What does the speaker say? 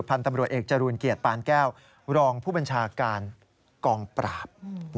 พันธุ์ตำรวจเอกจรูลเกียรติปานแก้วรองผู้บัญชาการกองปราบ